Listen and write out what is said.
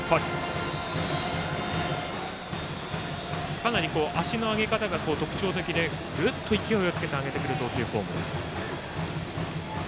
かなり足の上げ方が特徴的でぐっと勢いをつけて投げてくる投球フォームです。